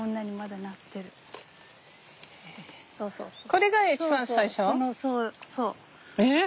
これが一番最初？え！